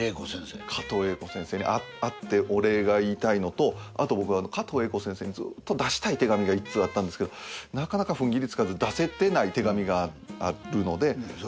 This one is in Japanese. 加藤英子先生に会ってお礼が言いたいのとあと僕加藤英子先生にずっと出したい手紙が１通あったんですけどなかなか踏ん切りつかず出せてない手紙があるので。